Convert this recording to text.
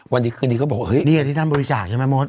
วันดีคืนนี้เขาบอกเฮ้ยนี่คือที่ท่านบริจาคใช่ไหมโมท